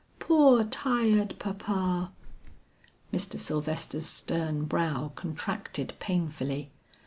poor tired papa." Mr. Sylvester's stern brow contracted painfully.